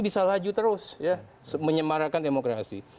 bisa laju terus ya menyemarakan demokrasi